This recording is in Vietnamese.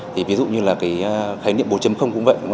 thì ví dụ như là cái khái niệm bốn cũng vậy